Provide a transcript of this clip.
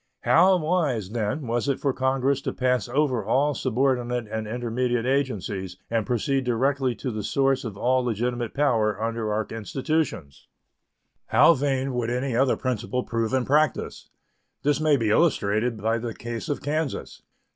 How wise, then, was it for Congress to pass over all subordinate and intermediate agencies and proceed directly to the source of all legitimate power under our institutions! How vain would any other principle prove in practice! This may be illustrated by the case of Kansas.